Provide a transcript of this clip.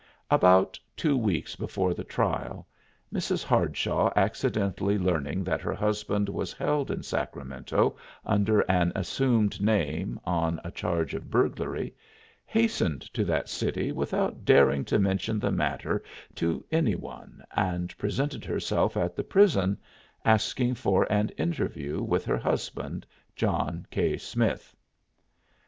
About two weeks before the trial, Mrs. Hardshaw, accidentally learning that her husband was held in Sacramento under an assumed name on a charge of burglary, hastened to that city without daring to mention the matter to any one and presented herself at the prison, asking for an interview with her husband, John K. Smith.